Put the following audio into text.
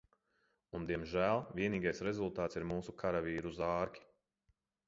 Un diemžēl vienīgais rezultāts ir mūsu karavīru zārki.